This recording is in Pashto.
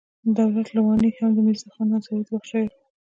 دولت لواڼی هم د میرزا خان انصاري د وخت شاعر و.